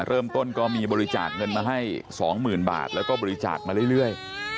เริ่มต้นก็มีบริจาคเงินมาให้๒๐๐๐บาทแล้วก็บริจาคมาเรื่อย